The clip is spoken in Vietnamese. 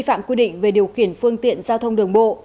phạm quy định về điều khiển phương tiện giao thông đường bộ